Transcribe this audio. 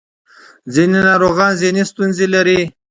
ځینې ناروغان ذهني ستونزې لري.